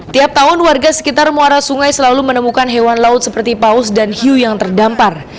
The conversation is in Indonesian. tiap tahun warga sekitar muara sungai selalu menemukan hewan laut seperti paus dan hiu yang terdampar